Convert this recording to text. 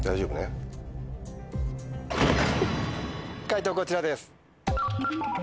解答こちらです。